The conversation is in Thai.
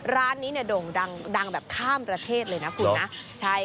ร้านนี้เนี่ยโด่งดังแบบข้ามประเทศเลยนะคุณนะ